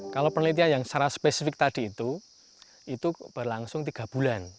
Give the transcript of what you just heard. kalau penelitian yang secara spesifik tadi itu itu berlangsung tiga bulan